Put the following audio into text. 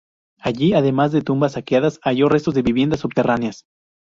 Allí, además de tumbas saqueadas, halló restos de viviendas subterráneas.